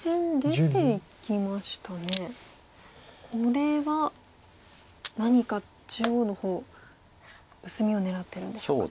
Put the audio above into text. これは何か中央の方薄みを狙ってるんでしょうか。